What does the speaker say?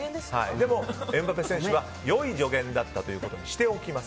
でも、エムバペ選手は良い助言だったということにしておきます。